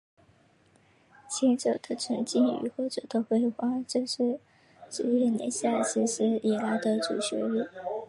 前者的沉寂与后者的辉煌正是职业联赛实施以来的主旋律。